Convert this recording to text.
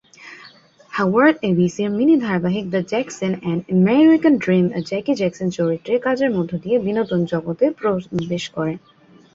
Howard এবিসির mini ধারাবাহিক "the Jackson: an American ড্রিম"-এ জ্যাকি জ্যাকসন চরিত্রে কাজের মধ্য দিয়ে বিনোদন জগতে প্রবেশ করেন।